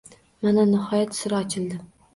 Mana, nihoyat sir ochildi